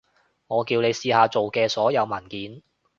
我叫你試下做嘅所有文件